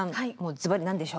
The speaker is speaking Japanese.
ずばり何でしょう。